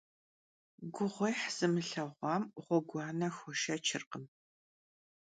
Guğuêh zımılheğuam ğueguane xueşşeçırkhım.